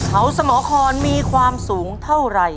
เขาสมครมีความสูงเท่าไหร่